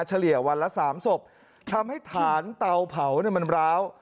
เฉลี่ยวันละสามศพทำให้ฐานเตาเผาเนี่ยมันร้าว